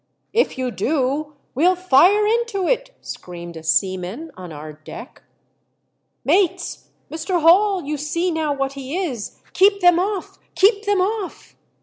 *' If you do we'll fire into it!" screamed a seaman on our deck. * Mates — Mr. Hall, you see now what he is! Keep them off! — keep them off!"